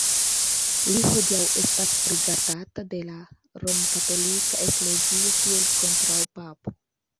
Li hodiaŭ estas rigardata de la Romkatolika Eklezio kiel kontraŭpapo.